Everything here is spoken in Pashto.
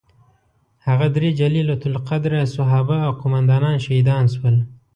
هغه درې جلیل القدره صحابه او قوماندانان شهیدان شول.